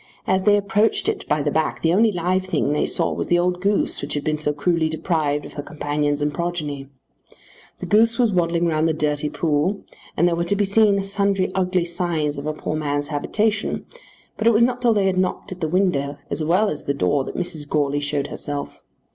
As they approached it by the back the only live thing they saw was the old goose which had been so cruelly deprived of her companions and progeny. The goose was waddling round the dirty pool, and there were to be seen sundry ugly signs of a poor man's habitation, but it was not till they had knocked at the window as well as the door that Mrs. Goarly showed herself.